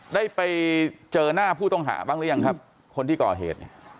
ได้ไปเจอหน้าผู้ต้องหาบ้างหรือยังครับคนที่ก่อเหตุเนี่ย